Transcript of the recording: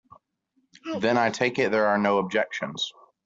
Then I take it there are no objections.